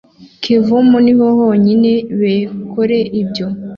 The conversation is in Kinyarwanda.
Kevumu niho honyine bekore ibyo